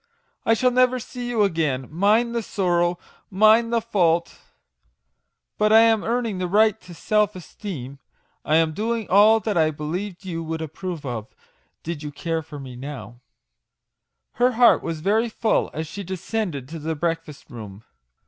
I shall never see you again mine the sorrow, mine the fault ! But I am earning the right to self esteem ; I am doing all that I believe you would approve of, did you care for me now/' Her heart was very full as she descended to the breakfast room.